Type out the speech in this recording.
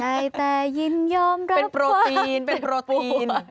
ได้แต่ยินยอมรับกว่าเป็นโปรตีน